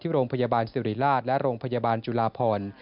โรงพยาบาลสิริราชและโรงพยาบาลจุลาพร